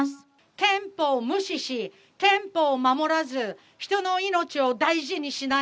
憲法を無視し、憲法を守らず、人の命を大事にしない。